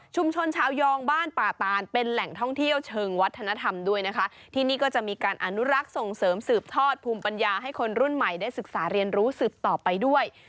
ชุมชนชาวยองบ้านป่าตานเป็นแหล่งท่องเที่ยวเชิงวัตถนธรรมด้วย